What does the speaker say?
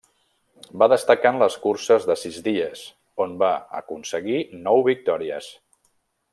Va destacar en les curses de sis dies on va aconseguir nou victòries.